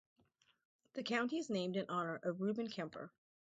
The county is named in honor of Reuben Kemper.